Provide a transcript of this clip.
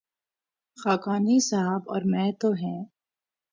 خاکوانی صاحب اور میں تو ہیں۔